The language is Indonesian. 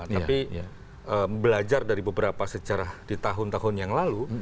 tapi belajar dari beberapa sejarah di tahun tahun yang lalu